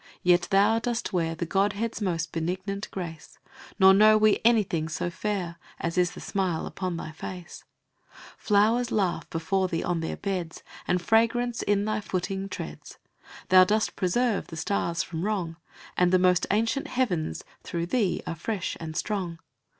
yet thou dost wear The Godhead's most benignant grace, Nor know we anything so fair As is the smile upon thy face; Flowers laugh before thee on their beds, And fragrance in thy footing treads; Thou dost preserve the Stars from wrong; And the most ancient Heavens, through Thee, are fresh and strong.